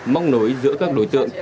móc nối giữa các đối tượng